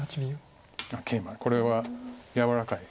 ケイマこれは柔らかい。